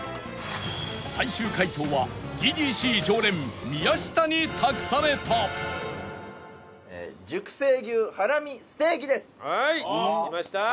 最終解答は ＧＧＣ 常連宮下に託されたはいきました。